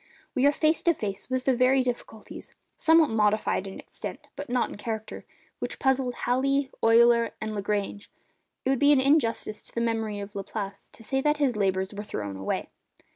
We are face to face with the very difficulties—somewhat modified in extent, but not in character—which puzzled Halley, Euler, and Lagrange. It would be an injustice to the memory of Laplace to say that his labours were thrown away.